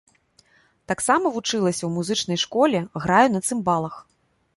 Таксама вучылася ў музычнай школе, граю на цымбалах.